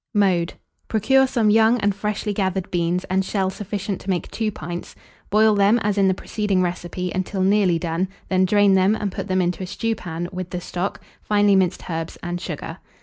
Mode. Procure some young and freshly gathered beans, and shell sufficient to make 2 pints; boil them, as in the preceding recipe, until nearly done; then drain them and put them into a stewpan, with the stock, finely minced herbs, and sugar.